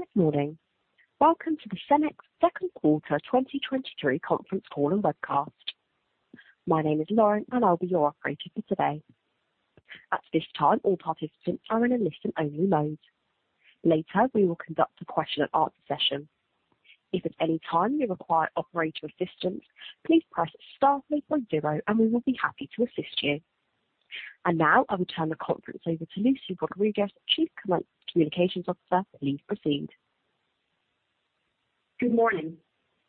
Good morning. Welcome to the Cemex Second Quarter 2023 Conference Call and Webcast. My name is Lauren, and I'll be your operator for today. At this time, all participants are in a listen-only mode. Later, we will conduct a question-and-answer session. If at any time you require operator assistance, please press star three point zero, and we will be happy to assist you. Now, I will turn the conference over to Lucy Rodriguez, Chief Communications Officer. Please proceed. Good morning.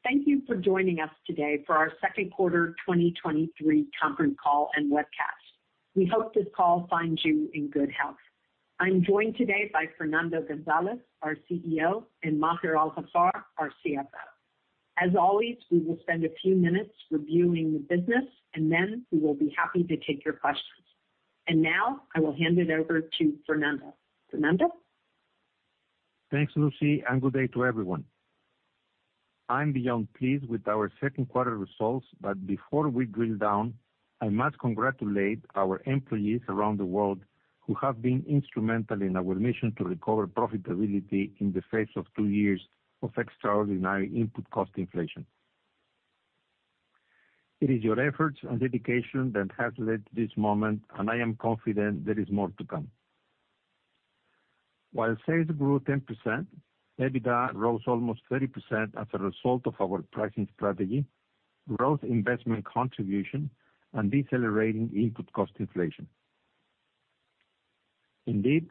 Thank you for joining us today for our Second Quarter 2023 Conference Call and Webcast. We hope this call finds you in good health. I'm joined today by Fernando González, our CEO, and Maher Al-Haffar, our CFO. As always, we will spend a few minutes reviewing the business, and then we will be happy to take your questions. Now, I will hand it over to Fernando. Fernando? Thanks, Lucy, and good day to everyone. I'm beyond pleased with our second quarter results, but before we drill down, I must congratulate our employees around the world who have been instrumental in our mission to recover profitability in the face of two years of extraordinary input cost inflation. It is your efforts and dedication that have led to this moment, and I am confident there is more to come. While sales grew 10%, EBITDA rose almost 30% as a result of our pricing strategy, growth investment contribution, and decelerating input cost inflation. Indeed,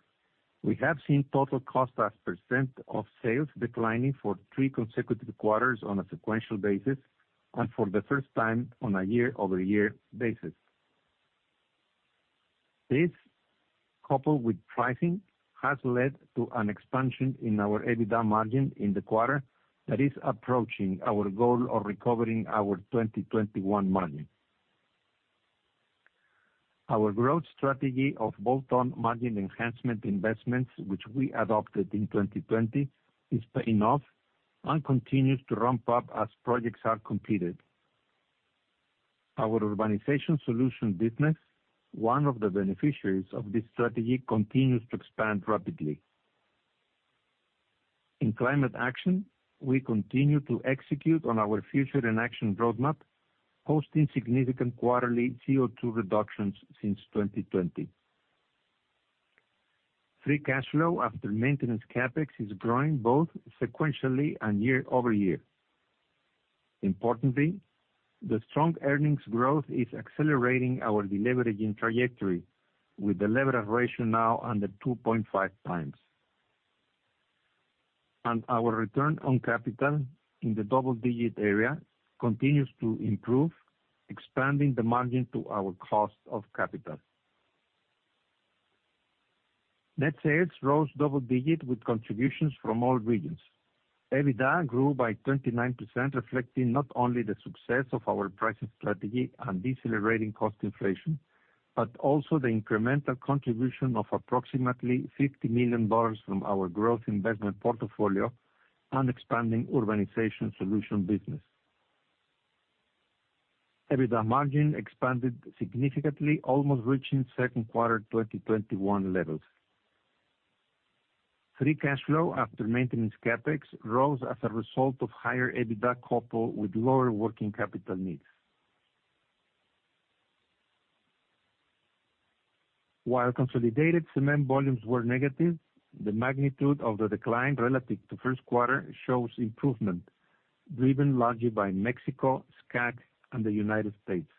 we have seen total cost as percent of sales declining for three consecutive quarters on a sequential basis, and for the first time on a year-over-year basis. This, coupled with pricing, has led to an expansion in our EBITDA margin in the quarter that is approaching our goal of recovering our 2021 margin. Our growth strategy of bolt-on margin enhancement investments, which we adopted in 2020, is paying off and continues to ramp up as projects are completed. Our Urbanization Solutions business, one of the beneficiaries of this strategy, continues to expand rapidly. In climate action, we continue to execute on our Future in Action roadmap, posting significant quarterly CO2 reductions since 2020. Free cash flow after maintenance CapEx is growing both sequentially and year-over-year. Importantly, the strong earnings growth is accelerating our deleveraging trajectory, with the leverage ratio now under 2.5x. Our return on capital in the double-digit area continues to improve, expanding the margin to our cost of capital. Net sales rose double-digit with contributions from all regions. EBITDA grew by 29%, reflecting not only the success of our pricing strategy and decelerating cost inflation, but also the incremental contribution of approximately $50 million from our growth investment portfolio and expanding Urbanization Solutions business. EBITDA margin expanded significantly, almost reaching second quarter 2021 levels. Free cash flow after maintenance CapEx rose as a result of higher EBITDA, coupled with lower working capital needs. While consolidated cement volumes were negative, the magnitude of the decline relative to first quarter shows improvement, driven largely by Mexico, SCAC, and the United States.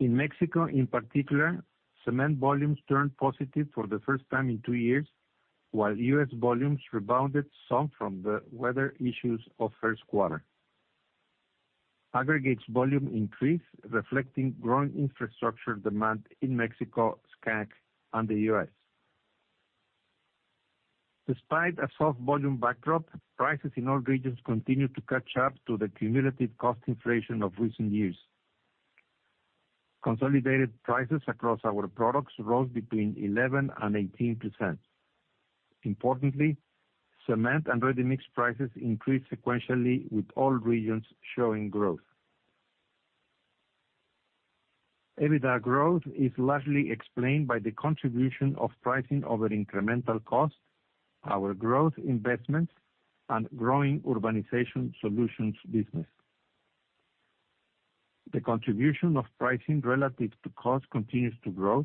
In Mexico, in particular, cement volumes turned positive for the first time in two years, while U.S. volumes rebounded some from the weather issues of first quarter. Aggregates volume increased, reflecting growing infrastructure demand in Mexico, SCAC, and the U.S. Despite a soft volume backdrop, prices in all regions continued to catch up to the cumulative cost inflation of recent years. Consolidated prices across our products rose between 11% and 18%. Importantly, cement and ready-mix prices increased sequentially, with all regions showing growth. EBITDA growth is largely explained by the contribution of pricing over incremental cost, our growth investments, and growing Urbanization Solutions business. The contribution of pricing relative to cost continues to grow,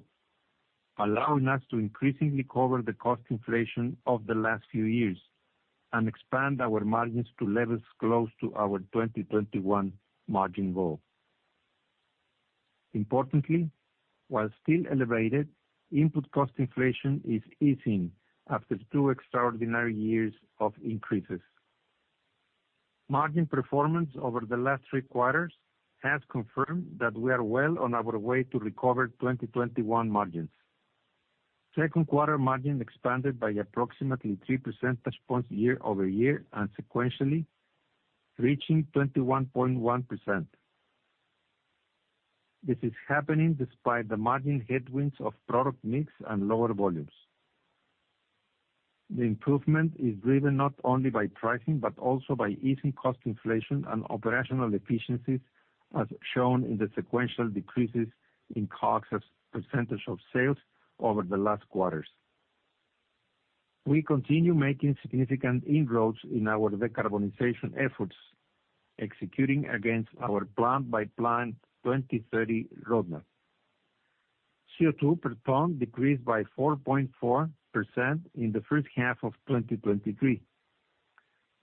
allowing us to increasingly cover the cost inflation of the last few years and expand our margins to levels close to our 2021 margin goal. Importantly, while still elevated, input cost inflation is easing after two extraordinary years of increases. Margin performance over the last three quarters has confirmed that we are well on our way to recover 2021 margins. Second quarter margin expanded by approximately 3 percentage points year-over-year and sequentially, reaching 21.1%. This is happening despite the margin headwinds of product mix and lower volumes. The improvement is driven not only by pricing, but also by easing cost inflation and operational efficiencies as shown in the sequential decreases in COGS as percentage of sales over the last quarters. We continue making significant inroads in our decarbonization efforts, executing against our plant-by-plant 2030 roadmap. CO2 per ton decreased by 4.4% in the first half of 2023,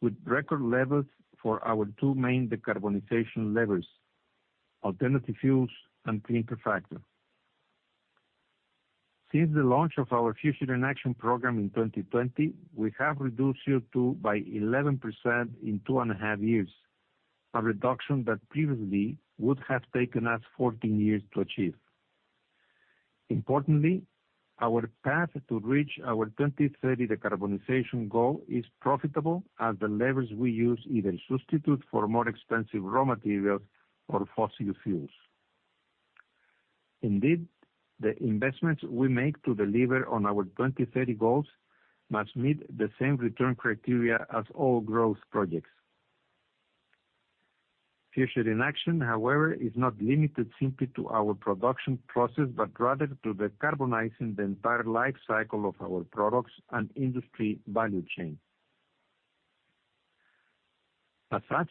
with record levels for our two main decarbonization levers, alternative fuels and clinker factor. Since the launch of our Future in Action program in 2020, we have reduced CO2 by 11% in two and a half years, a reduction that previously would have taken us 14 years to achieve. Importantly, our path to reach our 2030 decarbonization goal is profitable, as the levers we use either substitute for more expensive raw materials or fossil fuels. Indeed, the investments we make to deliver on our 2030 goals must meet the same return criteria as all growth projects. Future in Action, however, is not limited simply to our production process, but rather to decarbonizing the entire life cycle of our products and industry value chain. As such,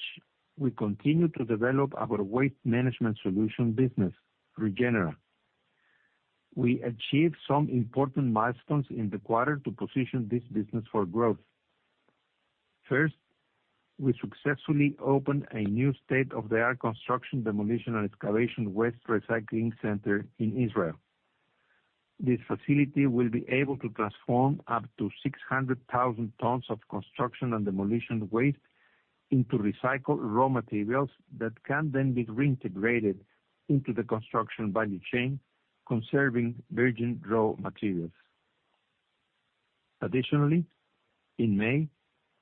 we continue to develop our waste management solution business, Regenera. We achieved some important milestones in the quarter to position this business for growth. First, we successfully opened a new state-of-the-art construction, demolition, and excavation waste recycling center in Israel. This facility will be able to transform up to 600,000 tons of construction and demolition waste into recycled raw materials that can then be reintegrated into the construction value chain, conserving virgin raw materials. Additionally, in May,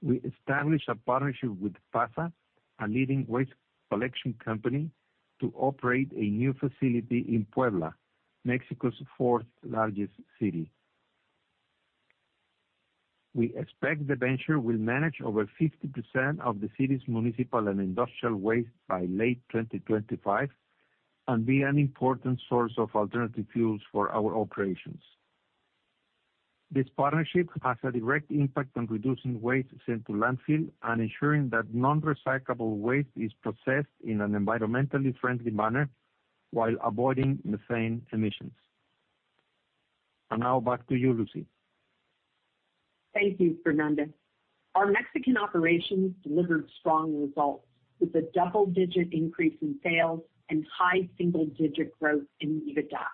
we established a partnership with PASA, a leading waste collection company, to operate a new facility in Puebla, Mexico's fourth-largest city. We expect the venture will manage over 50% of the city's municipal and industrial waste by late 2025, and be an important source of alternative fuels for our operations. This partnership has a direct impact on reducing waste sent to landfill and ensuring that non-recyclable waste is processed in an environmentally friendly manner while avoiding methane emissions. Now back to you, Lucy. Thank you, Fernando. Our Mexican operations delivered strong results, with a double-digit increase in sales and high single-digit growth in EBITDA.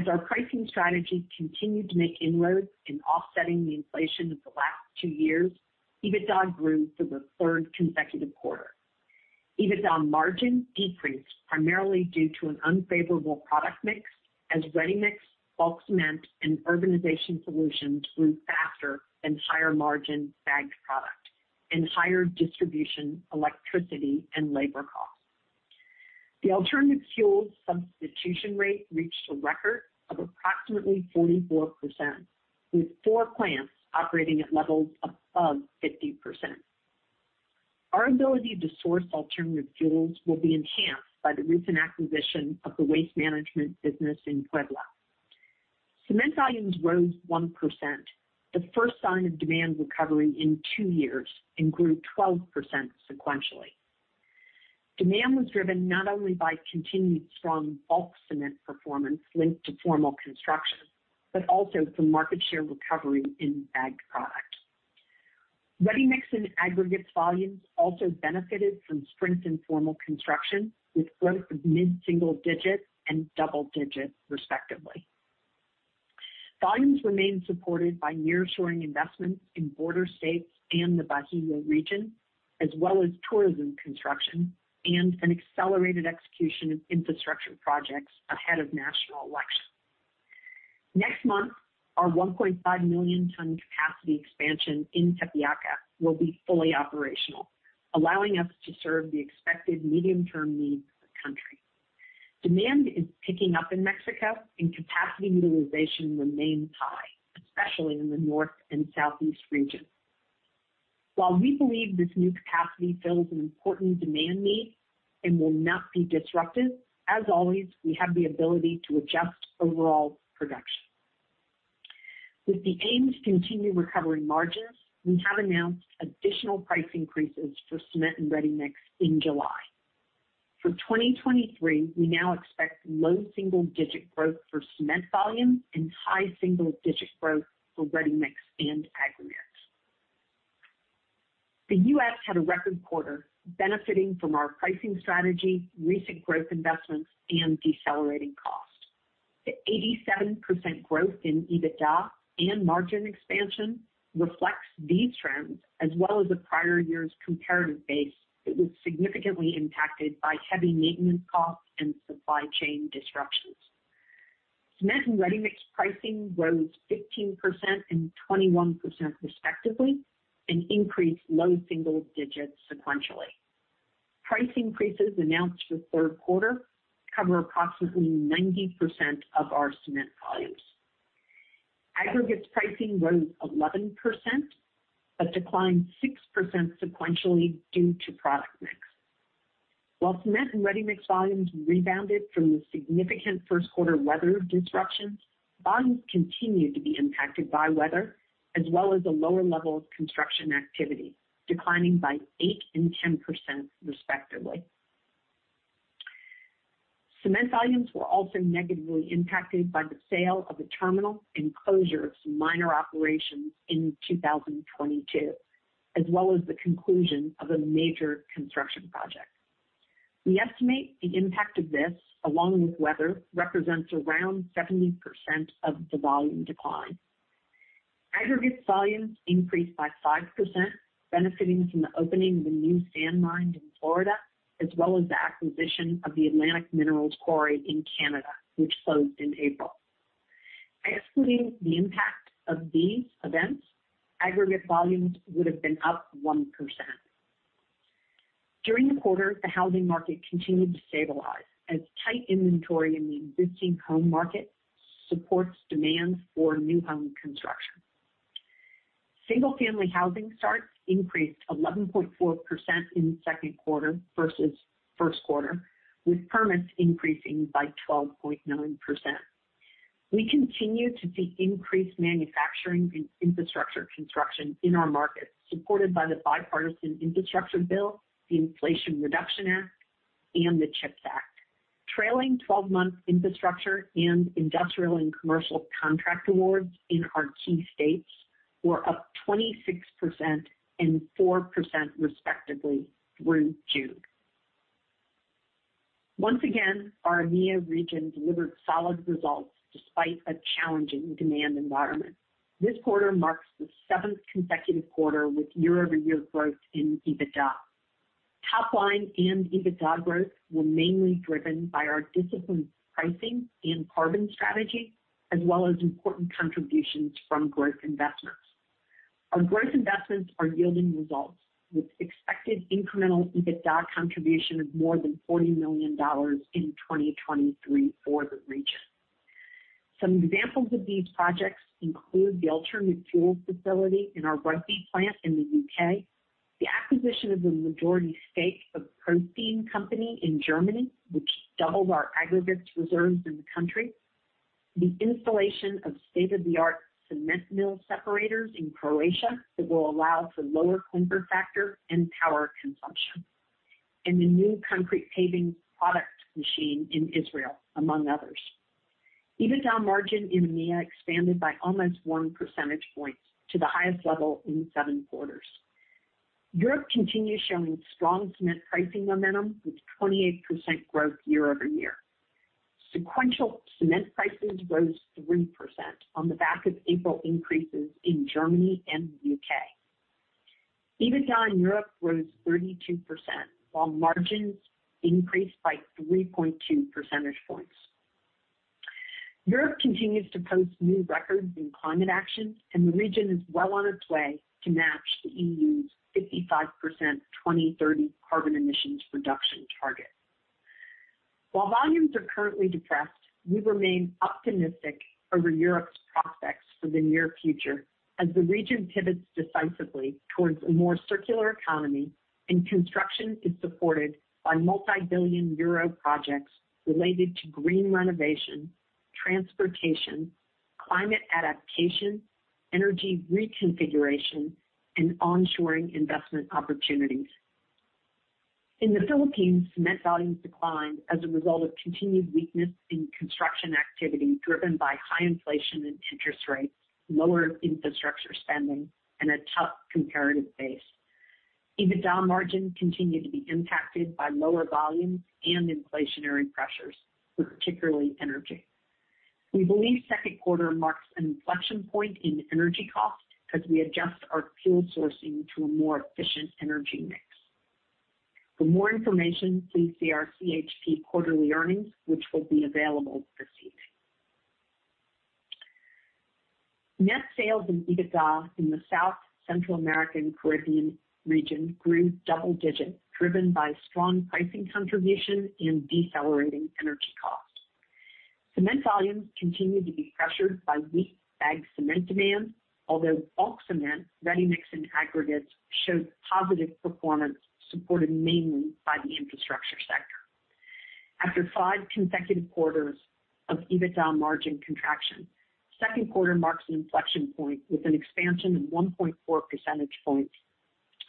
As our pricing strategy continued to make inroads in offsetting the inflation of the last two years, EBITDA grew for the third consecutive quarter. EBITDA margin decreased primarily due to an unfavorable product mix, as ready-mix, bulk cement, and Urbanization Solutions grew faster than higher-margin bagged product and higher distribution, electricity, and labor costs. The alternative fuels substitution rate reached a record of approximately 44%, with four plants operating at levels above 50%. Our ability to source alternative fuels will be enhanced by the recent acquisition of the waste management business in Puebla. Cement volumes rose 1%, the first sign of demand recovery in two years, and grew 12% sequentially. Demand was driven not only by continued strong bulk cement performance linked to formal construction, but also from market share recovery in bagged product. Ready-mix and aggregates volumes also benefited from strength in formal construction, with growth of mid-single digit and double digits, respectively. Volumes remained supported by nearshoring investments in border states and the Bajio region, as well as tourism, construction, and an accelerated execution of infrastructure projects ahead of national elections. Next month, our 1.5 million ton capacity expansion in Tepeaca will be fully operational, allowing us to serve the expected medium-term needs of the country. Demand is picking up in Mexico, and capacity utilization remains high, especially in the north and southeast regions. While we believe this new capacity fills an important demand need and will not be disruptive, as always, we have the ability to adjust overall production. With the aim to continue recovering margins, we have announced additional price increases for cement and ready-mix in July. For 2023, we now expect low single-digit growth for cement volumes and high single-digit growth for ready-mix and aggregates. The U.S. had a record quarter benefiting from our pricing strategy, recent growth investments, and decelerating costs. The 87% growth in EBITDA and margin expansion reflects these trends, as well as the prior year's comparative base that was significantly impacted by heavy maintenance costs and supply chain disruptions. Cement and ready-mix pricing rose 15% and 21%, respectively, and increased low single digits sequentially. Price increases announced for the third quarter cover approximately 90% of our cement volumes. Aggregates pricing rose 11%, but declined 6% sequentially due to product mix. Cement and ready-mix volumes rebounded from the significant first quarter weather disruptions, volumes continued to be impacted by weather, as well as a lower level of construction activity, declining by 8% and 10%, respectively. Cement volumes were also negatively impacted by the sale of a terminal and closure of some minor operations in 2022, as well as the conclusion of a major construction project. We estimate the impact of this, along with weather, represents around 70% of the volume decline. Aggregate volumes increased by 5%, benefiting from the opening of the new sand mine in Florida, as well as the acquisition of the Atlantic Minerals Quarry in Canada, which closed in April. Excluding the impact of these events, aggregate volumes would have been up 1%. During the quarter, the housing market continued to stabilize, as tight inventory in the existing home market supports demand for new home construction. Single-family housing starts increased 11.4% in the second quarter versus first quarter, with permits increasing by 12.9%. We continue to see increased manufacturing and infrastructure construction in our markets, supported by the Bipartisan Infrastructure Law, the Inflation Reduction Act, and the CHIPS Act. Trailing 12-month infrastructure and industrial and commercial contract awards in our key states were up 26% and 4%, respectively, through June. Once again, our EMEA region delivered solid results despite a challenging demand environment. This quarter marks the seven consecutive quarter with year-over-year growth in EBITDA. Top line and EBITDA growth were mainly driven by our disciplined pricing and carbon strategy, as well as important contributions from growth investments. Our growth investments are yielding results, with expected incremental EBITDA contribution of more than $40 million in 2023 for the region. Some examples of these projects include the alternative fuels facility in our Rugby plant in the U.K., the acquisition of the majority stake of ProStein company in Germany, which doubled our aggregates reserves in the country, the installation of state-of-the-art cement mill separators in Croatia that will allow for lower clinker factor and power consumption, and the new concrete paving product machine in Israel, among others. EBITDA margin in EMEA expanded by almost 1 percentage point to the highest level in seven quarters. Europe continues showing strong cement pricing momentum, with 28% growth year-over-year. Sequential cement prices rose 3% on the back of April increases in Germany and the U.K. EBITDA in Europe rose 32%, while margins increased by 3.2 percentage points. Europe continues to post new records in climate action. The region is well on its way to match the EU's 55% 2030 carbon emissions reduction target. While volumes are currently depressed, we remain optimistic over Europe's prospects for the near future as the region pivots decisively towards a more circular economy, and construction is supported by multibillion euro projects related to green renovation, transportation, climate adaptation, energy reconfiguration, and onshoring investment opportunities. In the Philippines, cement volumes declined as a result of continued weakness in construction activity, driven by high inflation and interest rates, lower infrastructure spending, and a tough comparative base. EBITDA margin continued to be impacted by lower volumes and inflationary pressures, with particularly energy. We believe second quarter marks an inflection point in energy cost as we adjust our fuel sourcing to a more efficient energy mix. For more information, please see our CHP quarterly earnings, which will be available this evening. Net sales and EBITDA in the South Central American Caribbean region grew double digits, driven by strong pricing contribution and decelerating energy costs. Cement volumes continued to be pressured by weak bagged cement demand, although bulk cement, ready mix, and aggregates showed positive performance, supported mainly by the infrastructure sector. After five consecutive quarters of EBITDA margin contraction, second quarter marks an inflection point with an expansion of 1.4 percentage points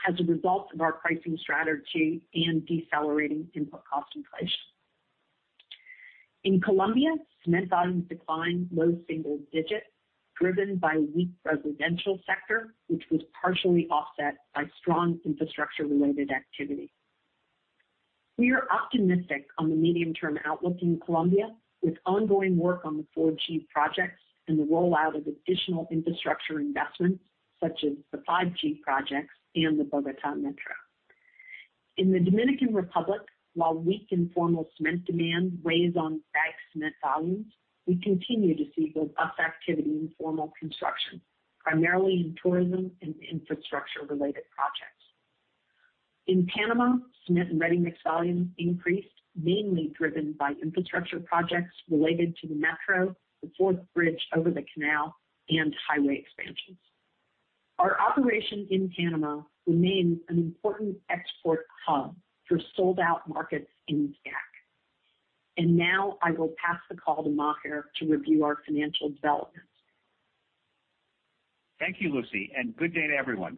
as a result of our pricing strategy and decelerating input cost inflation. In Colombia, cement volumes declined low single digits, driven by weak residential sector, which was partially offset by strong infrastructure-related activity. We are optimistic on the medium-term outlook in Colombia, with ongoing work on the 4G projects and the rollout of additional infrastructure investments, such as the 5G projects and the Bogotá Metro. In the Dominican Republic, while weak informal cement demand weighs on bagged cement volumes, we continue to see good up activity in formal construction, primarily in tourism and infrastructure-related projects. In Panama, cement and ready-mix volume increased, mainly driven by infrastructure projects related to the metro, the fourth bridge over the canal, and highway expansions. Our operation in Panama remains an important export hub for sold-out markets in CAC. Now I will pass the call to Maher to review our financial developments. Thank you, Lucy, and good day to everyone.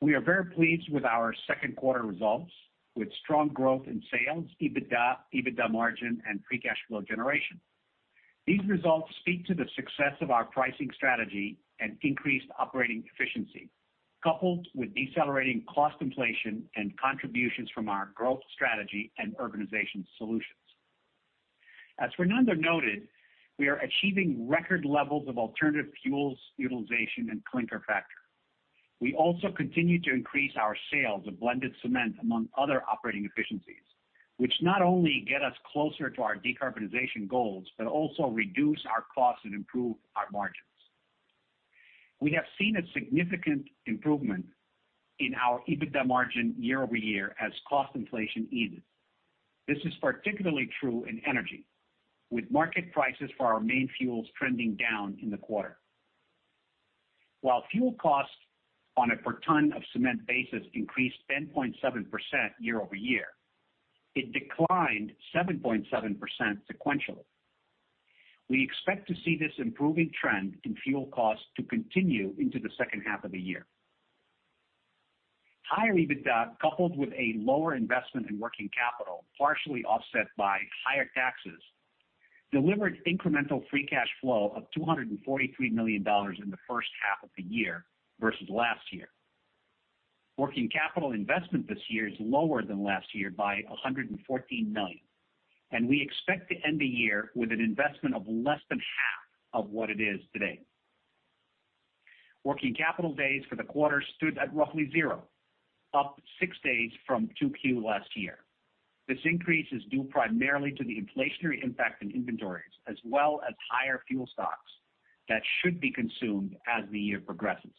We are very pleased with our second quarter results, with strong growth in sales, EBITDA, EBITDA margin, and free cash flow generation. These results speak to the success of our pricing strategy and increased operating efficiency, coupled with decelerating cost inflation and contributions from our growth strategy and Urbanization Solutions. As Fernando noted, we are achieving record levels of alternative fuels utilization and clinker factor. We also continue to increase our sales of blended cement, among other operating efficiencies, which not only get us closer to our decarbonization goals, but also reduce our costs and improve our margins. We have seen a significant improvement in our EBITDA margin year-over-year as cost inflation eases. This is particularly true in energy, with market prices for our main fuels trending down in the quarter. While fuel costs on a per ton of cement basis increased 10.7% year-over-year, it declined 7.7% sequentially. We expect to see this improving trend in fuel costs to continue into the second half of the year. Higher EBITDA, coupled with a lower investment in working capital, partially offset by higher taxes, delivered incremental free cash flow of $243 million in the first half of the year versus last year. Working capital investment this year is lower than last year by $114 million, and we expect to end the year with an investment of less than half of what it is today. Working capital days for the quarter stood at roughly zero, up six days from 2Q last year. This increase is due primarily to the inflationary impact in inventories, as well as higher fuel stocks that should be consumed as the year progresses.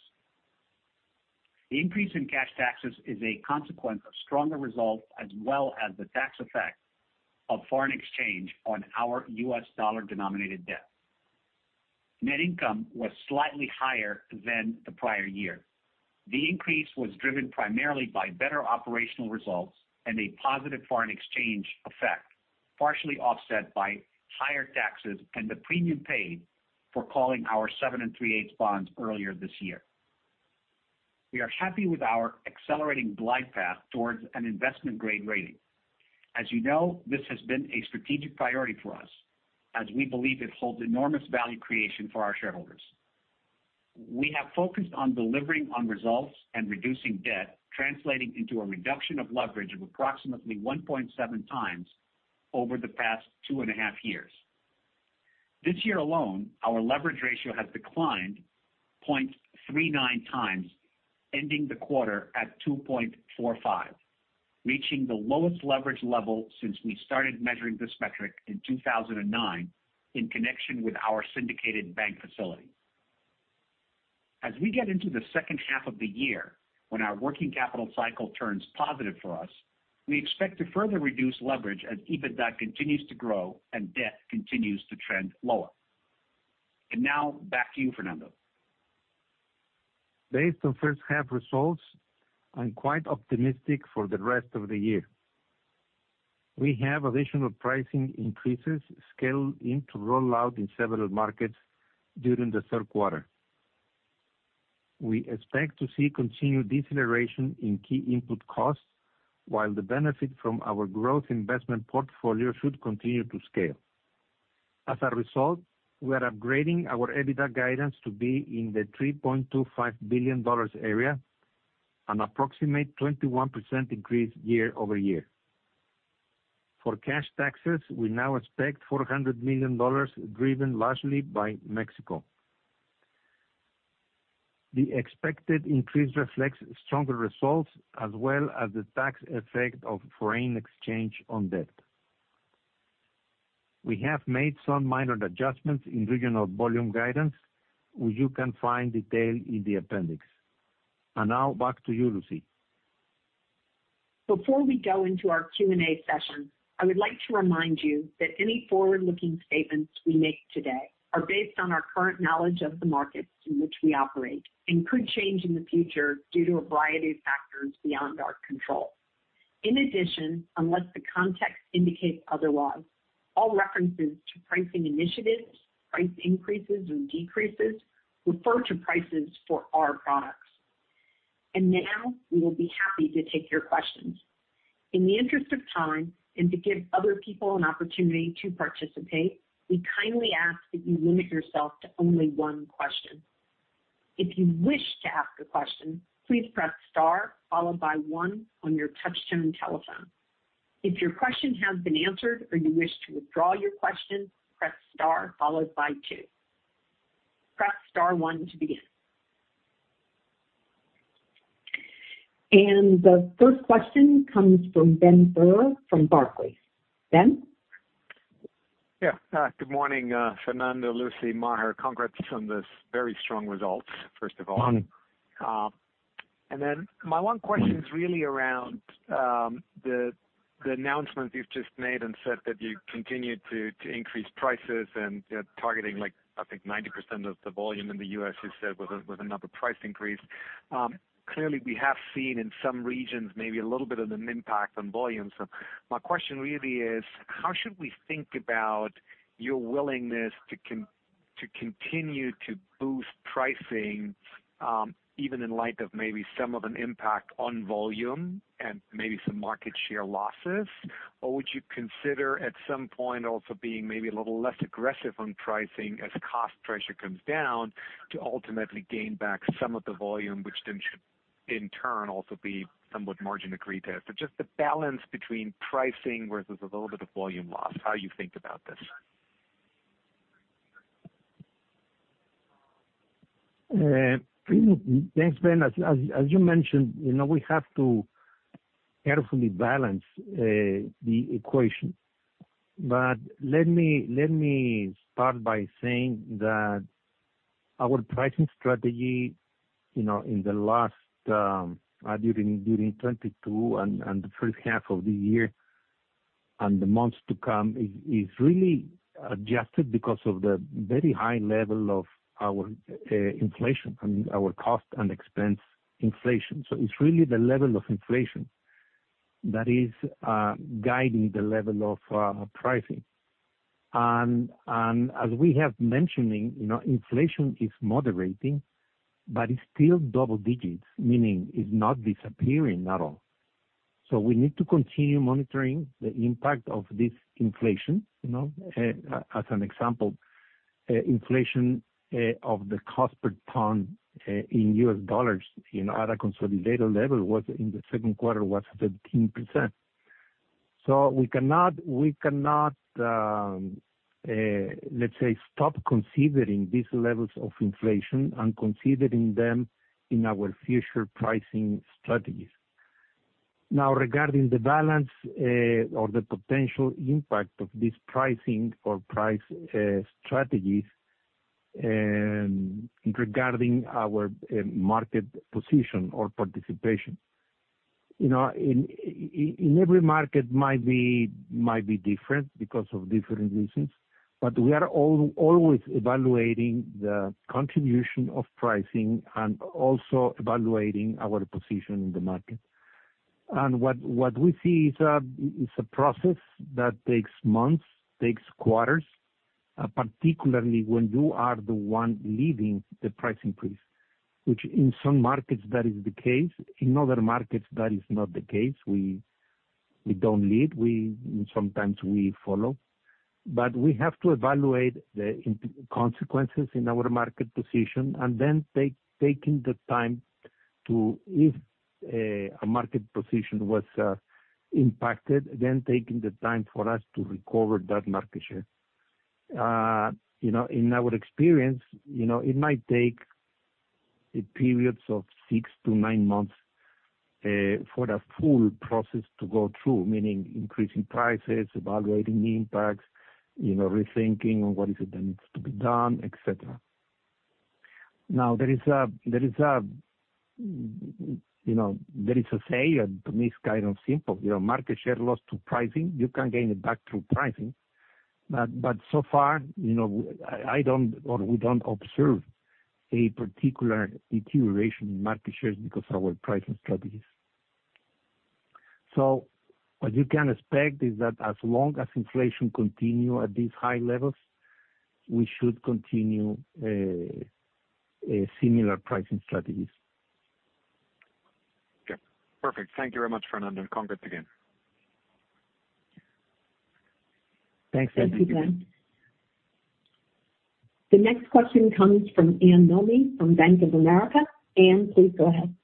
The increase in cash taxes is a consequence of stronger results, as well as the tax effect of foreign exchange on our U.S. dollar-denominated debt. Net income was slightly higher than the prior year. The increase was driven primarily by better operational results and a positive foreign exchange effect, partially offset by higher taxes and the premium paid for calling our 7.375% bonds earlier this year. We are happy with our accelerating glide path towards an investment-grade rating. As you know, this has been a strategic priority for us, as we believe it holds enormous value creation for our shareholders. We have focused on delivering on results and reducing debt, translating into a reduction of leverage of approximately 1.7x over the past two and a half years. This year alone, our leverage ratio has declined 0.39x, ending the quarter at 2.45x, reaching the lowest leverage level since we started measuring this metric in 2009 in connection with our syndicated bank facility. As we get into the second half of the year, when our working capital cycle turns positive for us, we expect to further reduce leverage as EBITDA continues to grow and debt continues to trend lower. Now, back to you, Fernando. Based on first half results, I'm quite optimistic for the rest of the year. We have additional pricing increases scheduled in to roll out in several markets during the third quarter. We expect to see continued deceleration in key input costs, while the benefit from our growth investment portfolio should continue to scale. As a result, we are upgrading our EBITDA guidance to be in the $3.25 billion area, an approximate 21% increase year-over-year. For cash taxes, we now expect $400 million, driven largely by Mexico. The expected increase reflects stronger results as well as the tax effect of foreign exchange on debt. We have made some minor adjustments in regional volume guidance, where you can find detail in the appendix. Now, back to you, Lucy. Before we go into our Q&A session, I would like to remind you that any forward-looking statements we make today are based on our current knowledge of the markets in which we operate and could change in the future due to a variety of factors beyond our control. In addition, unless the context indicates otherwise, all references to pricing initiatives, price increases or decreases, refer to prices for our products. Now, we will be happy to take your questions. In the interest of time, and to give other people an opportunity to participate, we kindly ask that you limit yourself to only one question. If you wish to ask a question, please press star followed by one on your touchtone telephone. If your question has been answered or you wish to withdraw your question, press star followed by two. Press star one to begin. The first question comes from Ben Theurer, from Barclays. Ben? Yeah. good morning, Fernando, Lucy, Maher. Congrats on this very strong results, first of all. My one question is really around the announcement you've just made and said that you continued to increase prices and, you know, targeting like, I think 90% of the volume in the U.S., you said, with another price increase. Clearly, we have seen in some regions maybe a little bit of an impact on volume. My question really is, how should we think about your willingness to continue to boost pricing, even in light of maybe some of an impact on volume and maybe some market share losses? Would you consider at some point also being maybe a little less aggressive on pricing as cost pressure comes down, to ultimately gain back some of the volume, which then should in turn also be somewhat margin accretive? Just the balance between pricing versus a little bit of volume loss, how you think about this? Thanks, Ben. As you mentioned, you know, we have to carefully balance the equation. Let me start by saying that our pricing strategy, you know, in the last during 2022 and the first half of the year, and the months to come, is really adjusted because of the very high level of our inflation, I mean, our cost and expense inflation. It's really the level of inflation that is guiding the level of pricing. As we have mentioning, you know, inflation is moderating, but it's still double digits, meaning it's not disappearing at all. We need to continue monitoring the impact of this inflation, you know. As an example, inflation of the cost per ton in U.S. dollars, at a consolidated level, was in the second quarter, 13%. We cannot stop considering these levels of inflation and considering them in our future pricing strategies. Regarding the balance or the potential impact of this pricing or price strategies, and regarding our market position or participation. In every market might be different because of different reasons, but we are always evaluating the contribution of pricing and also evaluating our position in the market. What we see is a process that takes months, takes quarters, particularly when you are the one leading the price increase, which in some markets, that is the case. In other markets, that is not the case. We don't lead, we sometimes we follow. We have to evaluate the consequences in our market position and then taking the time to, if a market position was impacted, then taking the time for us to recover that market share. you know, in our experience, you know, it might take periods of six to nine months for the full process to go through, meaning increasing prices, evaluating the impacts, you know, rethinking on what is it that needs to be done, et cetera. There is a, you know, there is a saying, and to me, it's kind of simple, "Your market share loss to pricing, you can gain it back through pricing." So far, you know, I don't or we don't observe a particular deterioration in market shares because of our pricing strategies. What you can expect is that as long as inflation continue at these high levels, we should continue a similar pricing strategies. Okay, perfect. Thank you very much, Fernando. Congrats again. Thanks. Thank you, Ben. The next question comes from Anne Milne from Bank of America. Anne, please go ahead.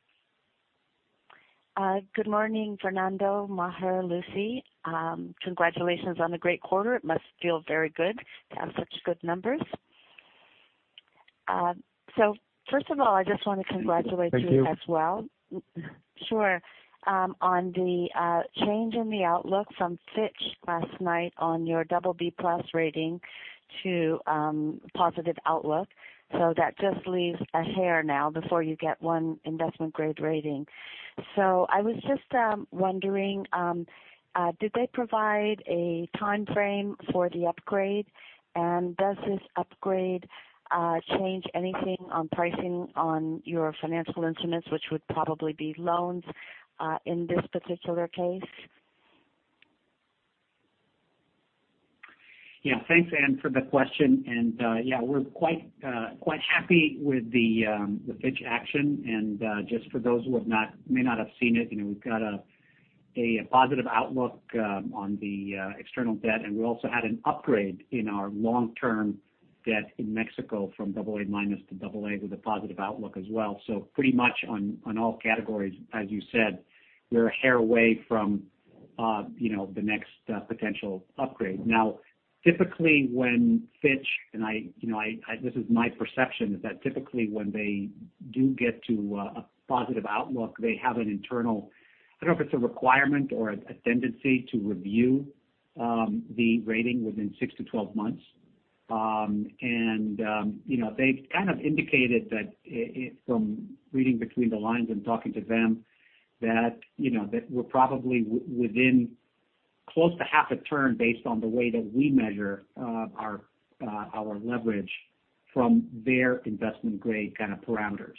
Good morning, Fernando, Maher, Lucy. Congratulations on the great quarter. It must feel very good to have such good numbers. First of all, I just want to congratulate you as well. Thank you. Sure, on the change in the outlook from Fitch last night on your BB+ rating to positive outlook. That just leaves a hair now before you get one investment-grade rating. I was just wondering, did they provide a timeframe for the upgrade? Does this upgrade change anything on pricing on your financial instruments, which would probably be loans, in this particular case? Yeah. Thanks, Anne, for the question. Yeah, we're quite happy with the Fitch action. Just for those who have not, may not have seen it, you know, we've got a positive outlook on the external debt, and we also had an upgrade in our long-term debt in Mexico from AA- to AA, with a positive outlook as well. Pretty much on all categories, as you said, we're a hair away from, you know, the next potential upgrade. Typically, when Fitch and I, you know, I, I, this is my perception, is that typically, when they do get to a positive outlook, they have an internal. I don't know if it's a requirement or a tendency to review the rating within six to 12 months. And, you know, they've kind of indicated that from reading between the lines and talking to them, that, you know, we're probably within close to half a turn based on the way that we measure our leverage from their investment grade kind of parameters.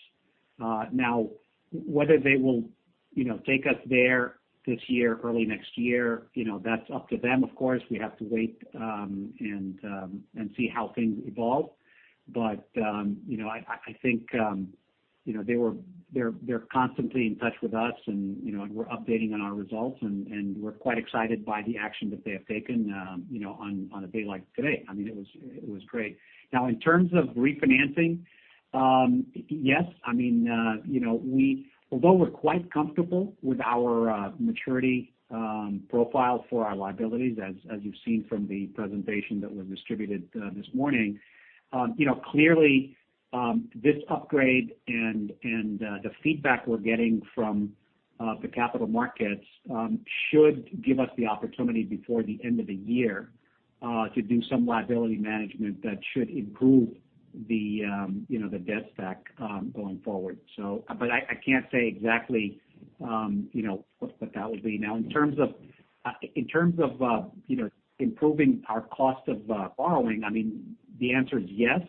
Whether they will, you know, take us there this year, early next year, you know, that's up to them, of course. We have to wait and see how things evolve. You know, I think, you know, they're constantly in touch with us, and, you know, we're updating on our results, and we're quite excited by the action that they have taken, you know, on a day like today. I mean, it was great. Now, in terms of refinancing, yes, I mean, you know, although we're quite comfortable with our maturity profile for our liabilities, as you've seen from the presentation that was distributed this morning, you know, clearly, this upgrade and the feedback we're getting from the capital markets, should give us the opportunity before the end of the year to do some liability management that should improve the, you know, the debt stack going forward. But I, I can't say exactly, you know, what that would be. Now, in terms of, you know, improving our cost of borrowing, I mean, the answer is yes.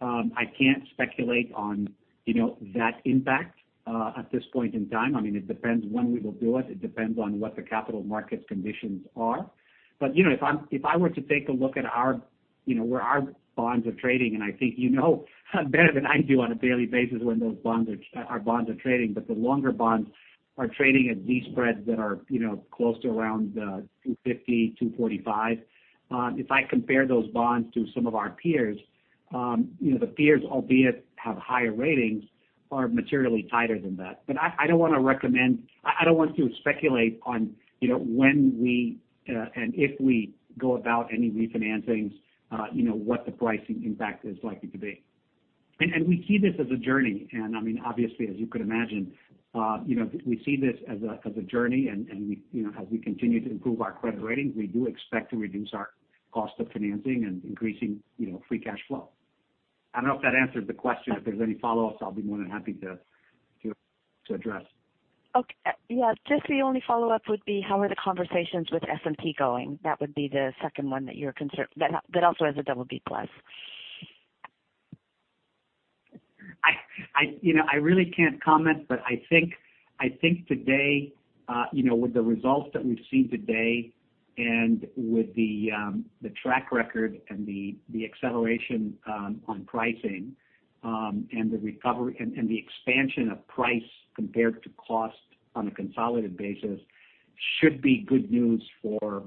I can't speculate on, you know, that impact at this point in time. I mean, it depends when we will do it. It depends on what the capital market conditions are. you know, if I were to take a look at our, you know, where our bonds are trading, and I think you know better than I do on a daily basis, when our bonds are trading, but the longer bonds are trading at Z-spreads that are, you know, close to around 250, 245. If I compare those bonds to some of our peers, you know, the peers, albeit have higher ratings, are materially tighter than that. I, I don't want to speculate on, you know, when we, and if we go about any refinancings, you know, what the pricing impact is likely to be. We see this as a journey. I mean, obviously, as you could imagine, you know, we see this as a journey, and we, you know, as we continue to improve our credit ratings, we do expect to reduce our cost of financing and increasing, you know, free cash flow. I don't know if that answered the question. If there's any follow-ups, I'll be more than happy to address. Ok. Yeah, just the only follow-up would be, how are the conversations with S&P going? That would be the second one that you're concerned, that also has a BB+. I, you know, I really can't comment, but I think today, you know, with the results that we've seen today, and with the track record and the acceleration on pricing, and the recovery and the expansion of price compared to cost on a consolidated basis, should be good news for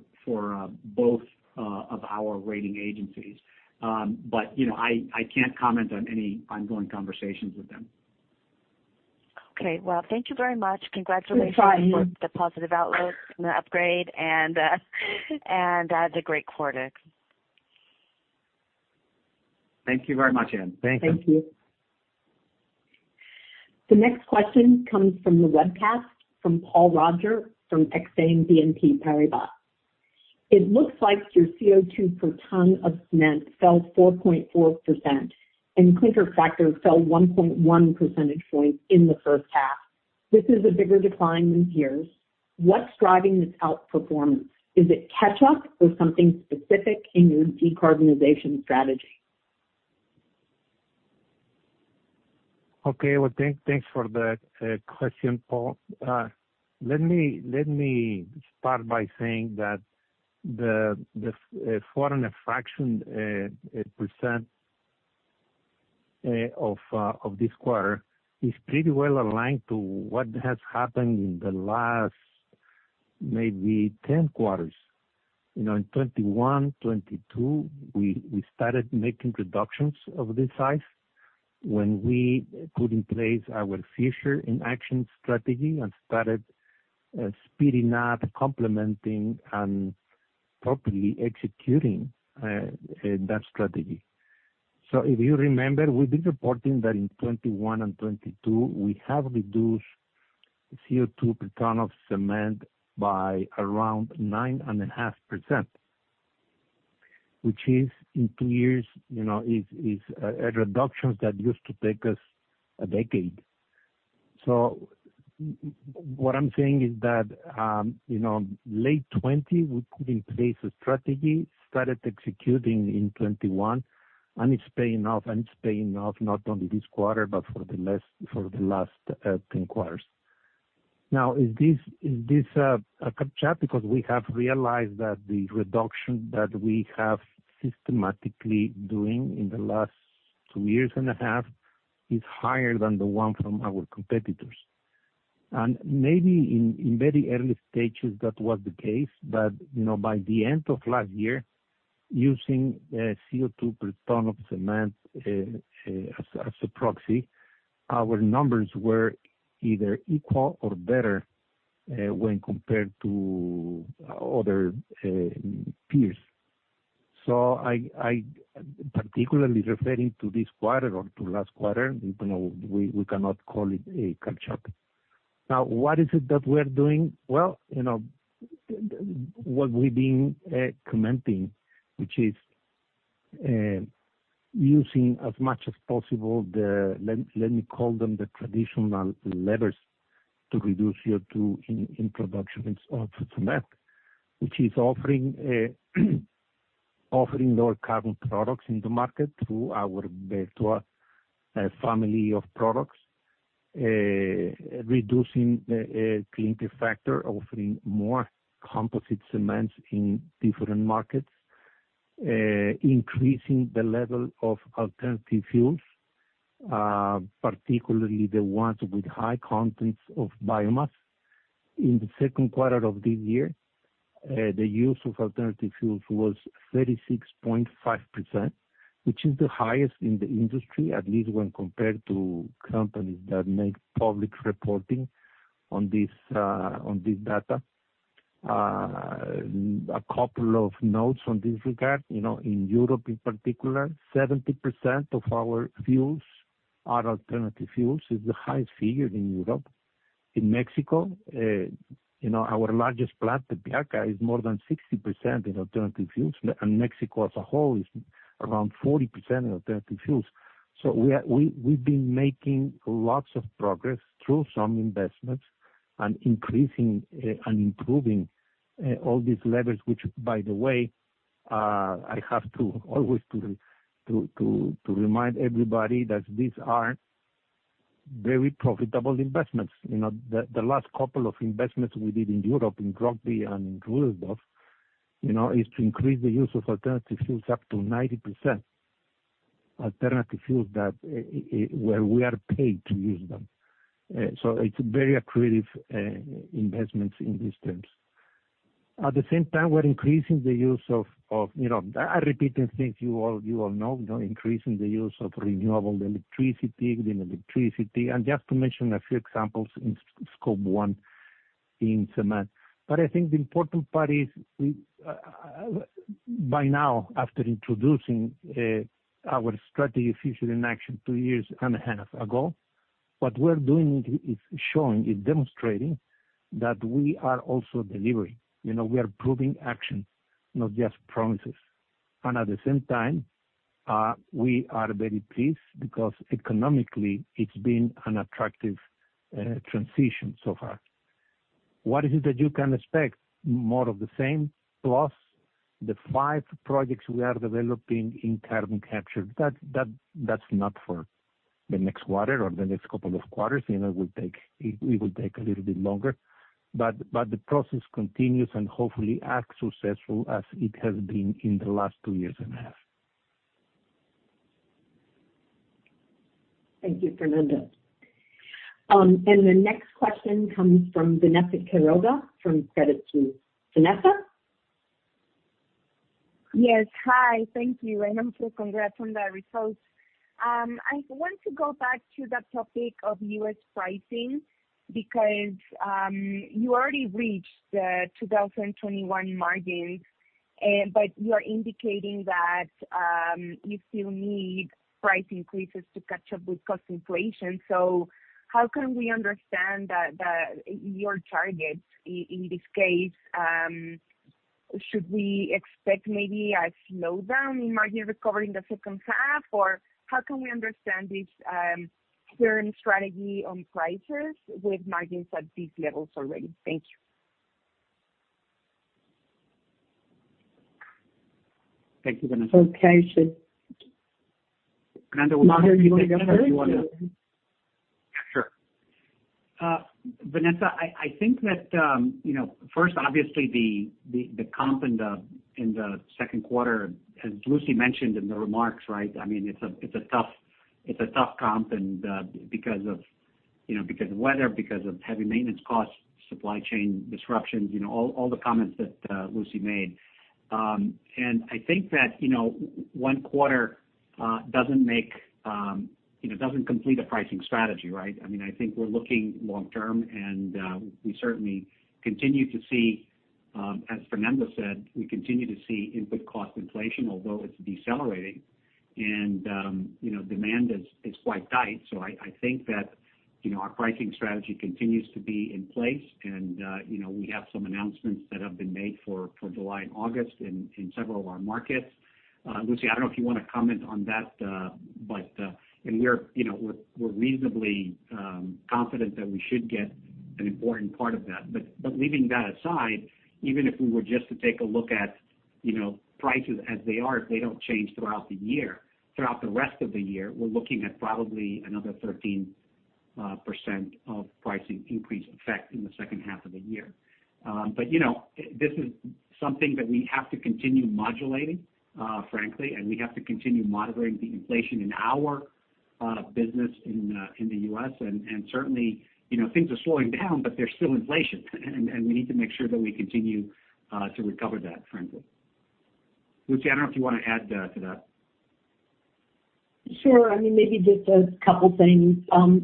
both of our rating agencies. You know, I can't comment on any ongoing conversations with them. Okay, well, thank you very much. Congratulation on the positive outlook and the upgrade, and, and, the great quarter. Thank you very much, Anne. Thank you. The next question comes from the webcast, from Paul Roger, from BNP Paribas Exane. It looks like your CO2 per ton of cement fell 4.4%, and clinker factor fell 1.1 percentage points in the first half. This is a bigger decline than peers. What's driving this outperformance? Is it catch-up or something specific in your decarbonization strategy? Okay, well, thanks for that question, Paul. Let me start by saying that the short and a fraction percent of this quarter is pretty well aligned to what has happened in the last maybe 10 quarters. You know, in 2021, 2022, we started making reductions of this size when we put in place our Future in Action strategy and started speeding up, complementing, and properly executing that strategy. If you remember, we've been reporting that in 2021 and 2022, we have reduced CO2 per ton of cement by around 9.5%, which is, in two years, you know, is a reduction that used to take us a decade. What I'm saying is that, you know, late 2020, we put in place a strategy, started executing in 2021, and it's paying off, and it's paying off not only this quarter, but for the last 10 quarters. Is this a catch-up? We have realized that the reduction that we have systematically doing in the last two years and a half is higher than the one from our competitors. Maybe in very early stages that was the case, but, you know, by the end of last year, using CO2 per ton of cement as a proxy, our numbers were either equal or better when compared to other peers. I particularly referring to this quarter or to last quarter, you know, we cannot call it a catch-up. What is it that we're doing? Well, you know, what we've been commenting, which is using as much as possible the, let me call them the traditional levers to reduce CO2 in production of cement, which is offering lower carbon products in the market through our Vertua family of products. Reducing the clinker factor, offering more composite cements in different markets, increasing the level of alternative fuels, particularly the ones with high contents of biomass. In the second quarter of this year, the use of alternative fuels was 36.5%, which is the highest in the industry, at least when compared to companies that make public reporting on this data. A couple of notes on this regard. You know, in Europe in particular, 70% of our fuels are alternative fuels, is the highest figure in Europe. In Mexico, you know, our largest plant, the Bianca, is more than 60% in alternative fuels, and Mexico as a whole is around 40% in alternative fuels. We've been making lots of progress through some investments and increasing and improving all these levers, which, by the way, I have to always to remind everybody that these are very profitable investments. You know, the last couple of investments we did in Europe, in Rugby and in Rüdersdorf, you know, is to increase the use of alternative fuels up to 90%. Alternative fuels that where we are paid to use them. It's very accretive investments in these terms. At the same time, we're increasing the use of, you know, I'm repeating things you all know, you know, increasing the use of renewable electricity, green electricity. Just to mention a few examples in Scope 1 in cement. I think the important part is, we, by now, after introducing our strategy Future in Action two years and a half ago, what we're doing is showing, demonstrating that we are also delivering. You know, we are proving action, not just promises. At the same time, we are very pleased because economically it's been an attractive transition so far. What is it that you can expect? More of the same, plus the five projects we are developing in carbon capture. That's not for the next quarter or the next couple of quarters. You know, it will take a little bit longer, but the process continues and hopefully as successful as it has been in the last two years and a half. Thank you, Fernando. The next question comes from Vanessa Quiroga, from Credit Suisse. Vanessa? Yes, hi. Thank you, and also congrats on the results. I want to go back to the topic of U.S. pricing, because you already reached the 2021 margins, but you are indicating that you still need price increases to catch up with cost inflation. How can we understand the your targets in this case, should we expect maybe a slowdown in margin recovery in the second half? How can we understand this current strategy on prices with margins at these levels already? Thank you. Thank you, Vanessa. Maher, do you want to take that? Sure. Vanessa, I think that, you know, first, obviously, the comp in the second quarter, as Lucy mentioned in the remarks, right? I mean, it's a tough comp and because of, you know, because of weather, because of heavy maintenance costs, supply chain disruptions, you know, all the comments that Lucy made. I think that, you know, one quarter doesn't make, you know, doesn't complete a pricing strategy, right? I mean, I think we're looking long term, and we certainly continue to see, as Fernando said, we continue to see input cost inflation, although it's decelerating, and, you know, demand is quite tight. I think that, you know, our pricing strategy continues to be in place, and, you know, we have some announcements that have been made for July and August in several of our markets. Lucy, I don't know if you want to comment on that, but, you know, we're reasonably confident that we should get an important part of that. Leaving that aside, even if we were just to take a look at, you know, prices as they are, if they don't change throughout the year, throughout the rest of the year, we're looking at probably another 13% of pricing increase effect in the second half of the year. You know, this is something that we have to continue modulating, frankly, and we have to continue moderating the inflation in our business in the U.S. Certainly, you know, things are slowing down, but there's still inflation, and we need to make sure that we continue to recover that, frankly. Lucy, I don't know if you want to add to that. Sure. I mean, maybe just a couple things.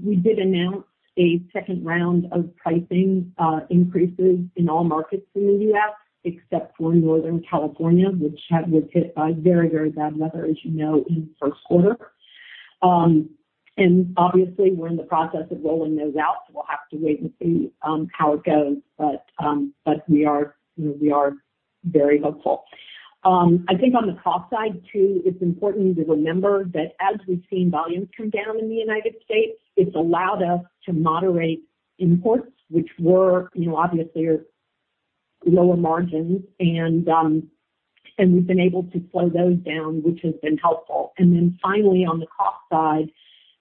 We did announce a second round of pricing, increases in all markets in the U.S., except for Northern California, which was hit by very, very bad weather, as you know, in first quarter. Obviously, we're in the process of rolling those out, so we'll have to wait and see, how it goes. We are, you know, we are very hopeful. I think on the cost side, too, it's important to remember that as we've seen volumes come down in the United States, it's allowed us to moderate imports, which were, you know, obviously are lower margins. We've been able to slow those down, which has been helpful. Finally, on the cost side,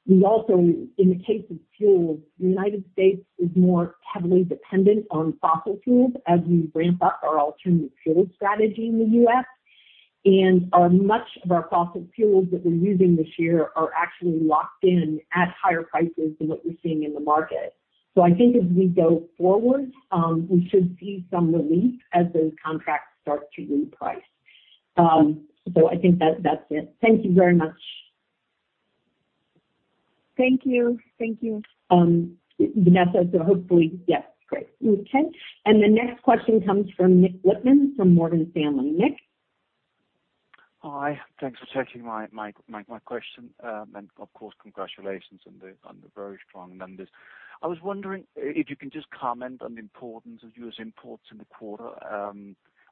we also, in the case of fuels, United States is more heavily dependent on fossil fuels as we ramp up our alternative fuels strategy in the U.S. Much of our fossil fuels that we're using this year are actually locked in at higher prices than what we're seeing in the market. I think as we go forward, we should see some relief as those contracts start to reprice. I think that's it. Thank you very much. Thank you. Thank you. Vanessa, hopefully. Yes. Great. Okay. The next question comes from Nik Lippmann from Morgan Stanley. Nick? Hi, thanks for taking my question. Of course, congratulations on the very strong numbers. I was wondering if you can just comment on the importance of U.S. imports in the quarter.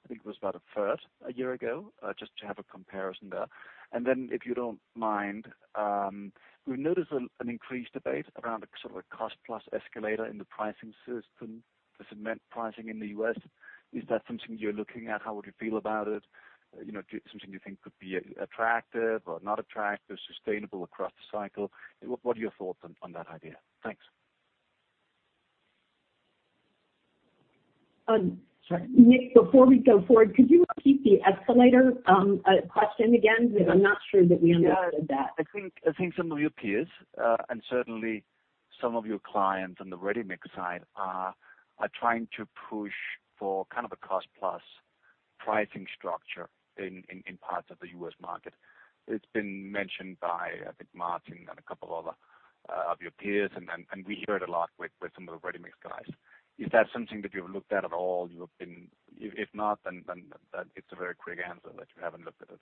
I think it was about 1/3 a year ago, just to have a comparison there. If you don't mind, we've noticed an increased debate around a sort of a cost-plus escalator in the pricing system, the cement pricing in the U.S. Is that something you're looking at? How would you feel about it? You know, something you think could be attractive or not attractive, sustainable across the cycle? What, what are your thoughts on that idea? Thanks. Sorry, Nik, before we go forward, could you repeat the escalator question again? I'm not sure that we understood that. Yeah. I think some of your peers, and certainly some of your clients on the ready-mix side are trying to push for kind of a cost-plus pricing structure in parts of the U.S. market. It's been mentioned by, I think, Martin and a couple other of your peers, and we hear it a lot with some of the ready-mix guys. Is that something that you've looked at at all? If not, then that it's a very quick answer, that you haven't looked at it.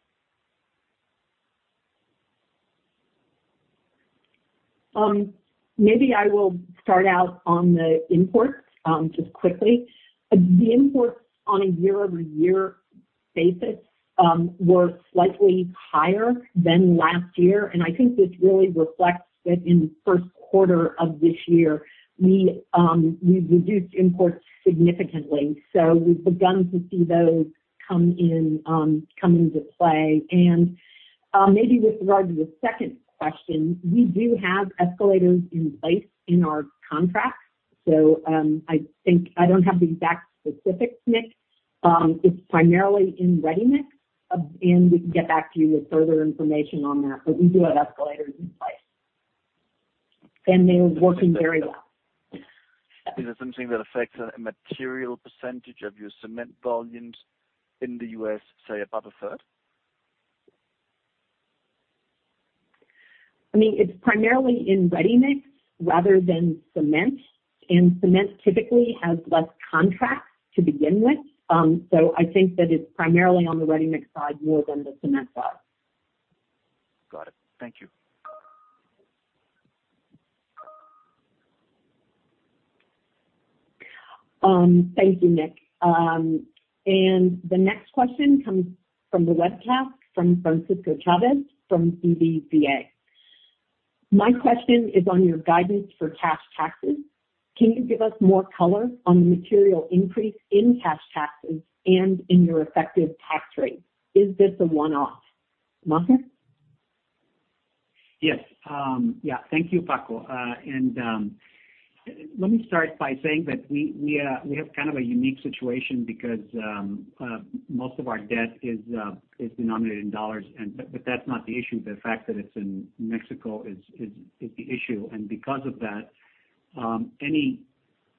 Maybe I will start out on the imports, just quickly. The imports on a year-over-year basis, were slightly higher than last year, and I think this really reflects that in the first quarter of this year, we reduced imports significantly, so we've begun to see those come in, come into play. Maybe with regard to the second question, we do have escalators in place in our contracts, I think I don't have the exact specifics, Nik. It's primarily in ready-mix, and we can get back to you with further information on that, but we do have escalators in place, and they're working very well. Is it something that affects a material percentage of your cement volumes in the U.S., say, about 1/3? I mean, it's primarily in ready-mix rather than cement, and cement typically has less contracts to begin with. I think that it's primarily on the ready-mix side more than the cement side. Got it. Thank you. Thank you, Nik. The next question comes from the webcast, from Francisco Chávez, from BBVA. My question is on your guidance for cash taxes. Can you give us more color on the material increase in cash taxes and in your effective tax rate? Is this a one-off? Maher? Yes. Thank you, Paco. Let me start by saying that we have kind of a unique situation because most of our debt is denominated in dollars, but that's not the issue. The fact that it's in Mexico is the issue. Because of that, any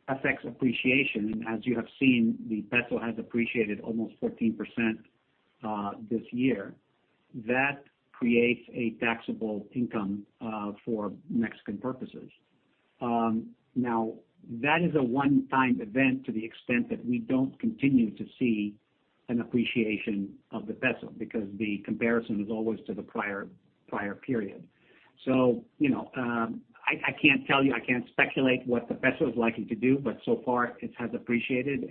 effects appreciation, as you have seen, the peso has appreciated almost 14% this year. That creates a taxable income for Mexican purposes. Now, that is a one-time event to the extent that we don't continue to see an appreciation of the peso, because the comparison is always to the prior period. You know, I can't tell you, I can't speculate what the peso is likely to do, but so far it has appreciated.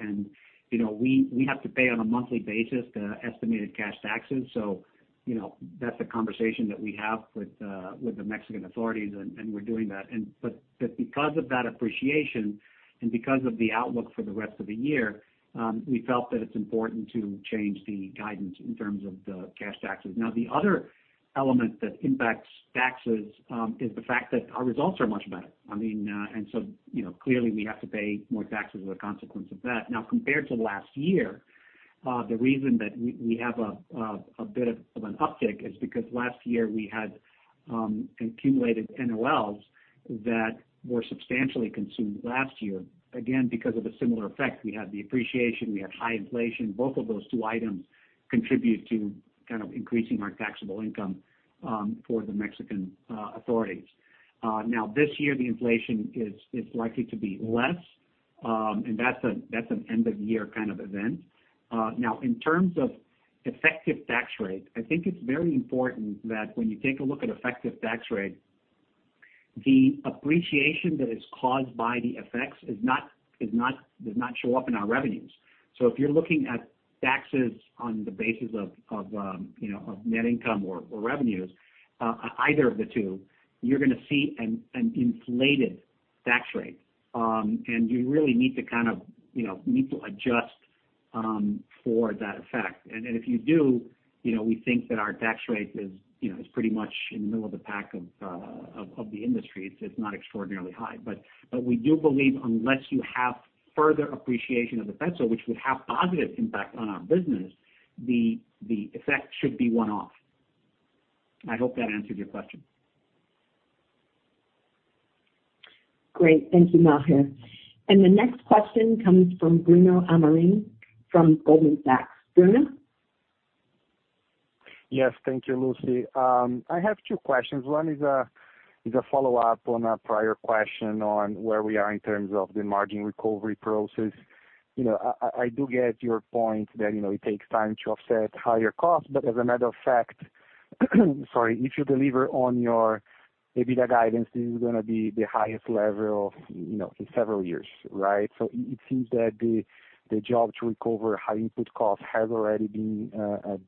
You know, we have to pay on a monthly basis the estimated cash taxes. You know, that's a conversation that we have with the Mexican authorities, and we're doing that. But because of that appreciation and because of the outlook for the rest of the year, we felt that it's important to change the guidance in terms of the cash taxes. Now, the other element that impacts taxes, is the fact that our results are much better. I mean, you know, clearly, we have to pay more taxes as a consequence of that. Now, compared to last year, the reason that we have a bit of an uptick is because last year we had accumulated NOLs that were substantially consumed last year. Again, because of a similar effect, we had the appreciation, we had high inflation. Both of those two items contribute to kind of increasing our taxable income for the Mexican authorities. This year, the inflation is likely to be less. That's an end of year kind of event. In terms of effective tax rate, I think it's very important that when you take a look at effective tax rate, the appreciation that is caused by the effects does not show up in our revenues. If you're looking at taxes on the basis of, you know, of net income or revenues, either of the two, you're gonna see an inflated tax rate. You really need to kind of, you know, need to adjust for that effect. If you do, you know, we think that our tax rate is, you know, pretty much in the middle of the pack of the industry. It's not extraordinarily high. We do believe unless you have further appreciation of the peso, which would have positive impact on our business, the effect should be one-off. I hope that answered your question? Great. Thank you, Maher. The next question comes from Bruno Amorim, from Goldman Sachs. Bruno? Yes. Thank you, Lucy. I have two questions. One is a follow-up on a prior question on where we are in terms of the margin recovery process. You know, I do get your point that, you know, it takes time to offset higher costs. As a matter of fact, sorry, if you deliver on your EBITDA guidance, this is gonna be the highest level, you know, in several years, right? It seems that the job to recover high input costs has already been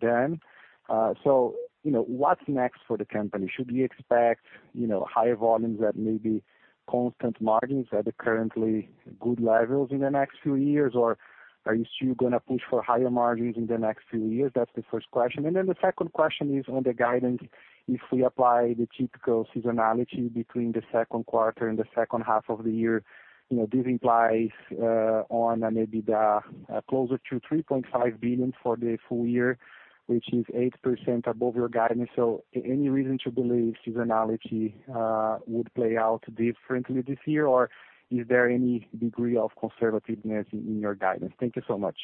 done. You know, what's next for the company? Should we expect, you know, higher volumes at maybe constant margins at the currently good levels in the next few years? Are you still gonna push for higher margins in the next few years? That's the first question. The second question is on the guidance. If we apply the typical seasonality between the second quarter and the second half of the year, you know, this implies on an EBITDA closer to $3.5 billion for the full year, which is 8% above your guidance. Any reason to believe seasonality would play out differently this year, or is there any degree of conservativeness in your guidance? Thank you so much.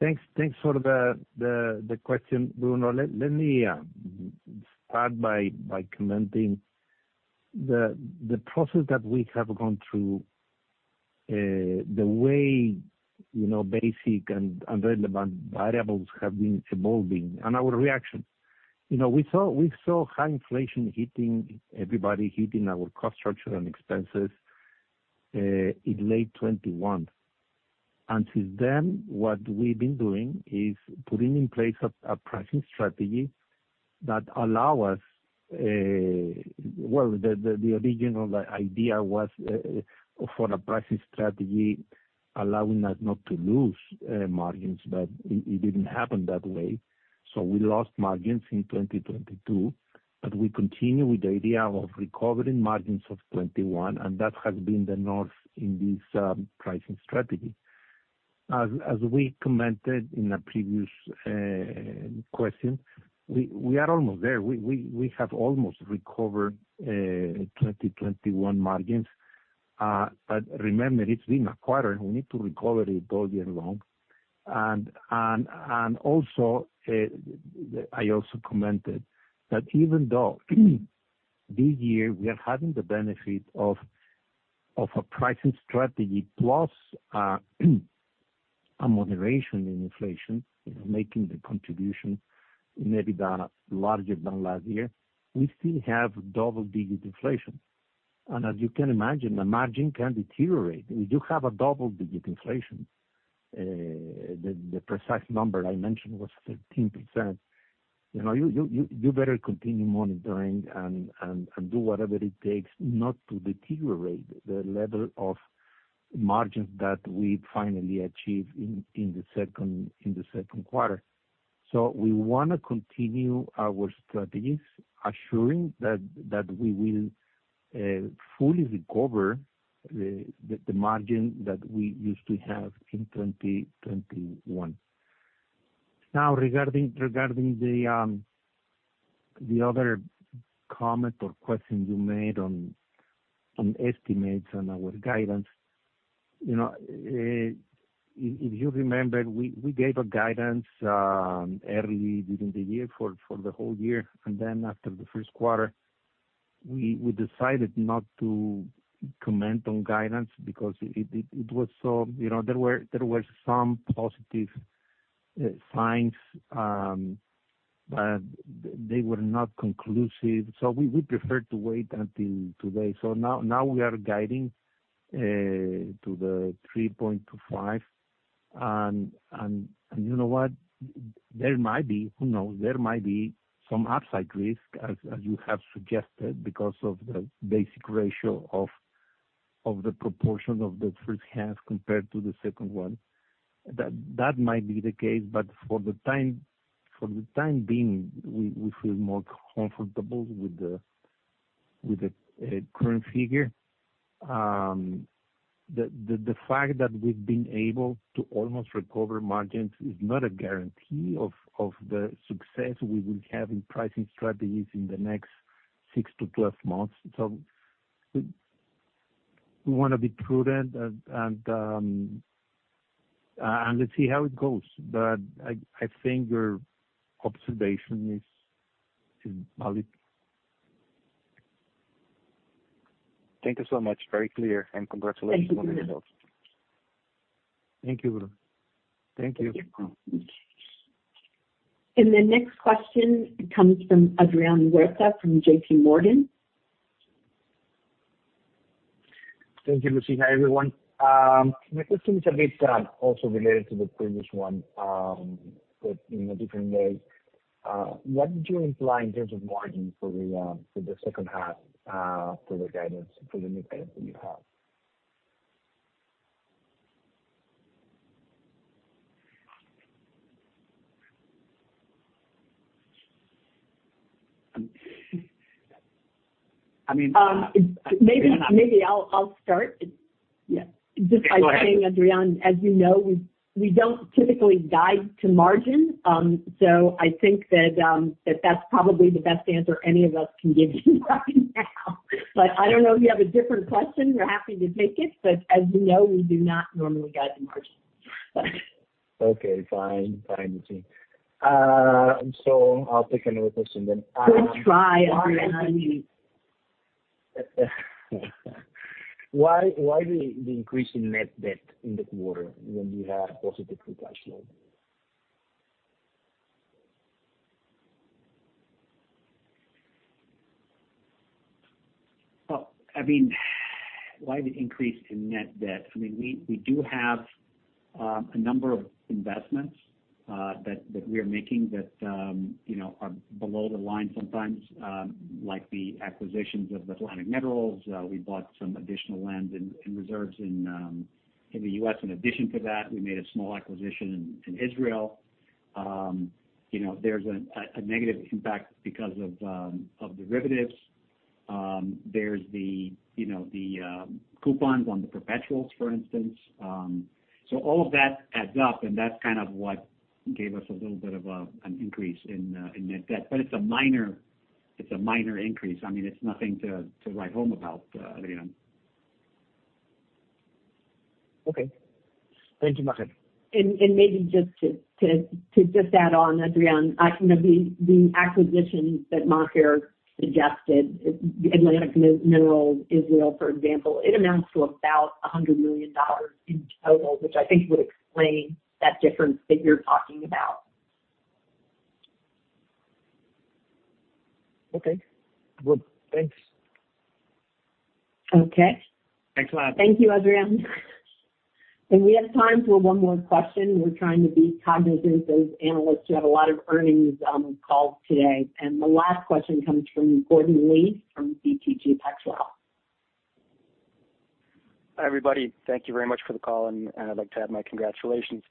Thanks for the question, Bruno. Let me start by commenting the process that we have gone through, the way, you know, basic and relevant variables have been evolving and our reaction. You know, we saw high inflation hitting everybody, hitting our cost structure and expenses in late 2021. Since then, what we've been doing is putting in place a pricing strategy that allow us. Well, the original idea was for a pricing strategy allowing us not to lose margins, but it didn't happen that way. We lost margins in 2022. We continue with the idea of recovering margins of 2021. That has been the north in this pricing strategy. As we commented in a previous question, we are almost there. We have almost recovered, 2021 margins. Remember, it's been a quarter, we need to recover it all year long. Also, I also commented that even though, this year we are having the benefit of a pricing strategy plus a moderation in inflation, you know, making the contribution in EBITDA larger than last year, we still have double-digit inflation. As you can imagine, the margin can deteriorate. We do have a double-digit inflation. The precise number I mentioned was 13%. You know, you better continue monitoring and do whatever it takes not to deteriorate the level of margins that we finally achieved in the second quarter. We wanna continue our strategies, assuring that we will fully recover the margin that we used to have in 2021. Now, regarding the other comment or question you made on estimates on our guidance, you know, if you remember, we gave a guidance early during the year for the whole year, and then after the first quarter, we decided not to comment on guidance because it was, you know, there were some positive signs, but they were not conclusive, we preferred to wait until today. Now we are guiding to the $3.25 billion. You know what? There might be, who knows, there might be some upside risk, as you have suggested, because of the basic ratio of the proportion of the first half compared to the second one. That might be the case, but for the time being, we feel more comfortable with the current figure. The fact that we've been able to almost recover margins is not a guarantee of the success we will have in pricing strategies in the next six to 12 months. We wanna be prudent and let's see how it goes. I think your observation is valid. Thank you so much. Very clear, and congratulations on the results. Thank you Bruno. Thank you. Thank you. The next question comes from Adrian Huerta from JPMorgan. Thank you, Lucy, everyone. My question is a bit, also related to the previous one, but in a different way. What did you imply in terms of margin for the second half, for the guidance, for the new guidance that you have? I mean. Maybe, maybe I'll, I'll start. Yeah. Go ahead. Just by saying, Adrian, as you know, we don't typically guide to margin. I think that that's probably the best answer any of us can give you right now. I don't know if you have a different question, we're happy to take it, but as you know, we do not normally guide to margin. Okay, fine. Fine, Lucy. I'll pick another question then. Good try, Adrian. Why the increase in net debt in the quarter when you have positive free cash flow? I mean, why the increase in net debt? I mean, we, we do have a number of investments that we are making that, you know, are below the line sometimes, like the acquisitions of Atlantic Minerals. We bought some additional lands and reserves in the U.S. In addition to that, we made a small acquisition in Israel. You know, there's a negative impact because of derivatives. There's the, you know, the coupons on the perpetuals, for instance. All of that adds up, and that's kind of what gave us a little bit of an increase in net debt. It's a minor, it's a minor increase. I mean, it's nothing to write home about, Adrian. Okay. Thank you, Maher. Maybe just to just add on, Adrian, I, you know, the, the acquisition that Maher suggested, Atlantic Minerals, Israel, for example, it amounts to about $100 million in total, which I think would explain that difference that you're talking about. Okay. Well, thanks. Okay. Thanks a lot. Thank you, Adrian. We have time for one more question. We're trying to be cognizant of those analysts who have a lot of earnings on call today. The last question comes from Gordon Lee, from BTG Pactual. Hi, everybody. Thank you very much for the call. I'd like to add my congratulations.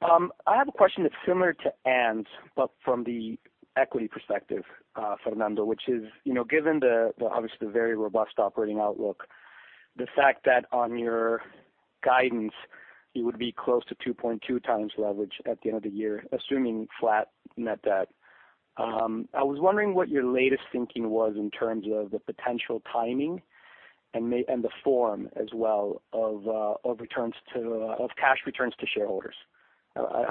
I have a question that's similar to Anne's, but from the equity perspective, Fernando, which is, you know, given the, the obviously the very robust operating outlook, the fact that on your guidance, you would be close to 2.2x leverage at the end of the year, assuming flat net debt. I was wondering what your latest thinking was in terms of the potential timing and the form as well of cash returns to shareholders.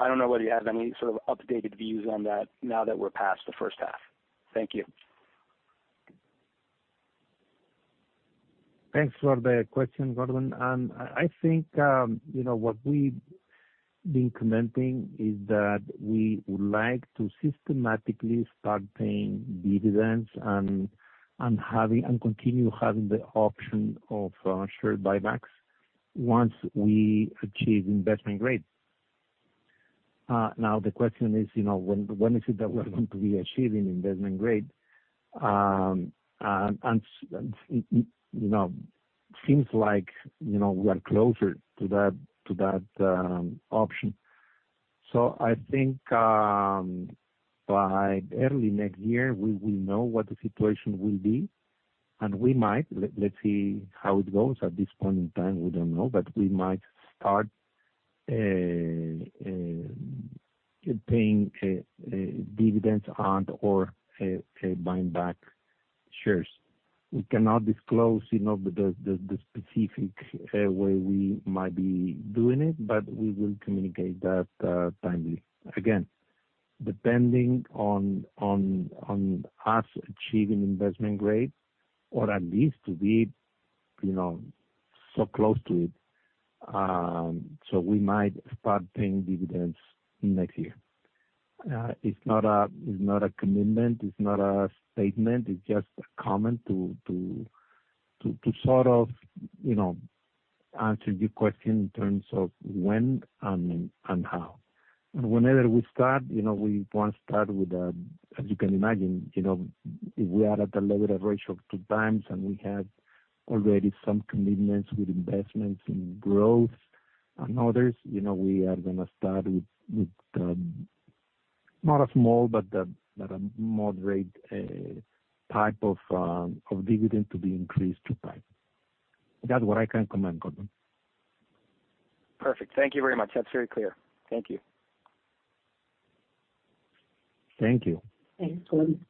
I don't know whether you have any sort of updated views on that, now that we're past the first half. Thank you. Thanks for the question, Gordon. I think, you know, what we've been commenting is that we would like to systematically start paying dividends and continue having the option of share buybacks once we achieve investment grade. Now, the question is, you know, when is it that we're going to be achieving investment grade? You know, seems like, you know, we are closer to that option. I think, by early next year, we will know what the situation will be, and we might. Let's see how it goes. At this point in time, we don't know, but we might start paying dividends and/or buying back shares. We cannot disclose, you know, the specific way we might be doing it, but we will communicate that timely. Again, depending on us achieving investment grade, or at least to be, you know, so close to it, so we might start paying dividends next year. It's not a, it's not a commitment, it's not a statement, it's just a comment to sort of, you know, answer your question in terms of when and how. Whenever we start, you know, we want to start with, as you can imagine, you know, if we are at a leverage ratio of 2x, and we have already some commitments with investments in growth and others, you know, we are gonna start with not a small, but a moderate type of dividend to be increased to time. That's what I can comment, Gordon. Perfect. Thank you very much. That's very clear. Thank you. Thank you. Thanks, Gordon.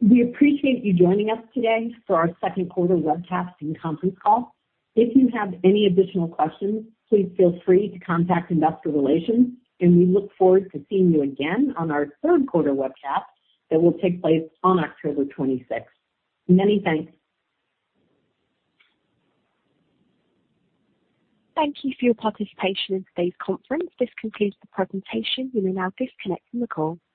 We appreciate you joining us today for our second quarter webcast and conference call. If you have any additional questions, please feel free to contact investor relations, and we look forward to seeing you again on our third quarter webcast that will take place on October 26th. Many thanks. Thank you for your participation in today's conference. This concludes the presentation. You may now disconnect from the call.